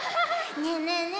ねえねえねえ